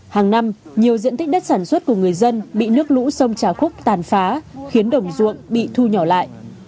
hàng năm nhiều diện tích đất sản xuất của người dân bị nước lũ sông trà khúc tàn phá khiến đồng ruộng bị thu nhỏ lại